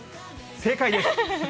正解です。